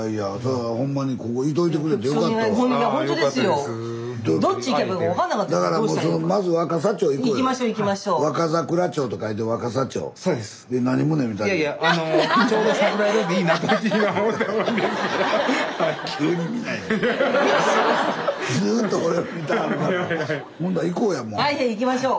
はい行きましょう。